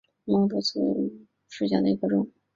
猫头刺为豆科棘豆属下的一个种。